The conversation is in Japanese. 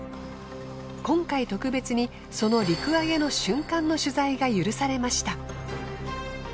今回特別にその陸揚げの瞬間の取材が許されました。